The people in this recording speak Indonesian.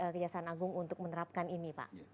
kejaksaan agung untuk menerapkan ini pak